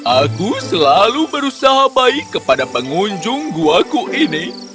aku selalu berusaha baik kepada pengunjung gua ini